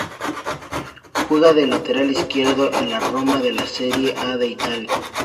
Juega de lateral izquierdo en la Roma de la Serie A de Italia.